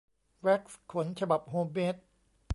แว็กซ์ขน ฉบับโฮมเมด